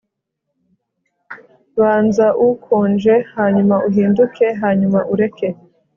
banza ukonje, hanyuma uhinduke, hanyuma ureke